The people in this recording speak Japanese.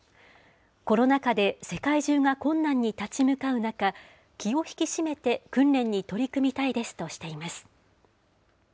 コロナ禍で世界中が困難に立ち向かう中、気を引き締めて訓練に取り組みたいですとしています。